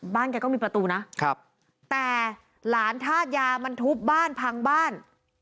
แกก็มีประตูนะครับแต่หลานธาตุยามันทุบบ้านพังบ้าน